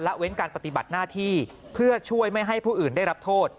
เว้นการปฏิบัติหน้าที่เพื่อช่วยไม่ให้ผู้อื่นได้รับโทษ